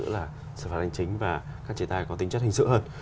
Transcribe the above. đó là sản phẩm hành chính và các chế tài có tính chất hình sự hơn